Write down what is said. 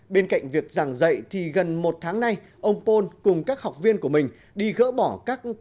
bên cạnh việc giảng dạy thì gần một tháng nay ông paul cùng các học viên của mình đi gỡ bỏ các quảng cáo